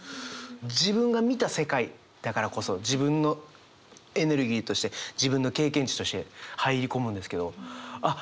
自分が見た世界だからこそ自分のエネルギーとして自分の経験値として入り込むんですけどあっ